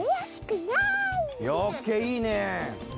オッケーいいね！